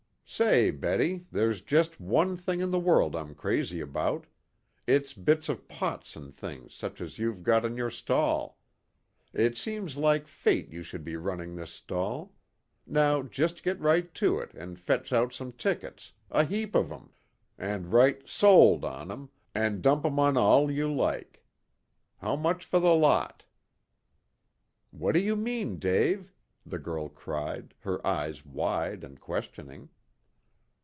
"Say, Betty, there's just one thing in the world I'm crazy about: it's bits of pots and things such as you've got on your stall. It seems like fate you should be running this stall. Now just get right to it, and fetch out some tickets a heap of 'em and write 'sold' on 'em, and dump 'em on all you like. How much for the lot?" "What do you mean, Dave?" the girl cried, her eyes wide and questioning.